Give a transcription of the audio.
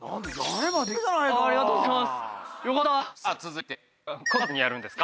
ありがとうございます。